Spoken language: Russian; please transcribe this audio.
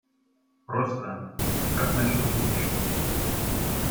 Просто… - Как насчет будущего?